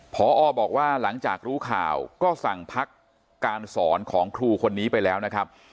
พอบอกว่าหลังจากรู้ข่าวก็สั่งพักการสอนของครูคนนี้ไปแล้วนะครับ